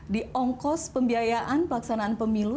diongkos pembiayaan pelaksanaan pemilu